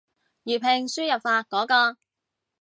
粵拼輸入法嗰個